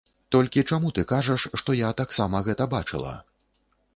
Толькі чаму ты кажаш, што я таксама гэта бачыла?